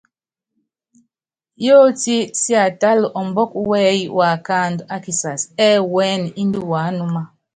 Yótí siatála ɔmbɔ́ku wɛ́yí waakáandu ákisass, ɛ́ɛ́ wúɛ́nɛ indi wuánúma.